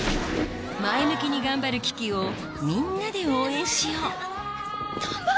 前向きに頑張るキキをみんなで応援しようトンボ！